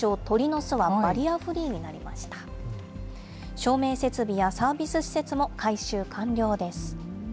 照明設備やサービス施設も改修完了です。